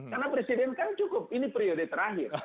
karena presiden kan cukup ini periode terakhir